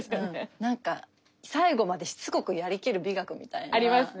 なんか最後までしつこくやりきる美学みたいな。ありますね。